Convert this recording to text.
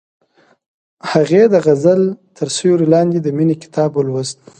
هغې د غزل تر سیوري لاندې د مینې کتاب ولوست.